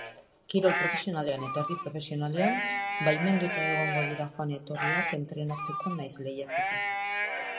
Kirol profesionalean eta erdi-profesionalean baimenduta egongo dira joan-etorriak entrenatzeko nahiz lehiatzeko.